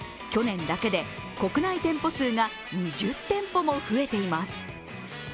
去年だけで国内店舗数が２０店舗も増えています。